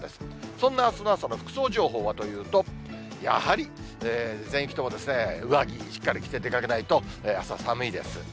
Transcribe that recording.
そんなあすの朝の服装情報はというと、やはり全域とも上着、しっかり着て出かけないと、朝寒いです。